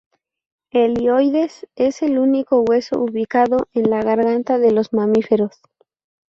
El hioides es el único hueso ubicado en la garganta de los mamíferos.